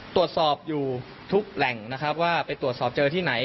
ตรวจสอบอยู่ทุกแหล่งนะครับว่าไปตรวจสอบเจอที่ไหน